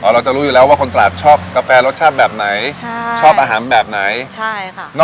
อ๋อเราจะรู้อยู่แล้วว่าคนตราดชอบกาแฟรสชาติแบบไหน